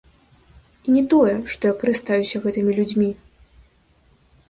І не тое, што я карыстаюся гэтымі людзьмі.